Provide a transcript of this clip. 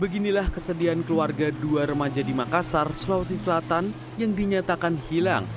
beginilah kesedihan keluarga dua remaja di makassar sulawesi selatan yang dinyatakan hilang